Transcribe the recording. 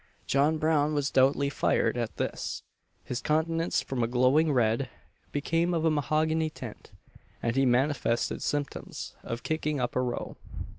John Brown was doubly fired at this his countenance, from a glowing red, became of a mahogany tint, and he manifested symptoms of kicking up a row.